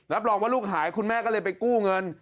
รับรองว่าลูกหายคุณแม่ก็เลยไปกู้เงิน